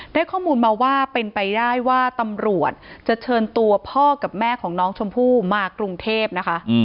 ได้ข้อมูลมาว่าเป็นไปได้ว่าตำรวจจะเชิญตัวพ่อกับแม่ของน้องชมพู่มากรุงเทพนะคะ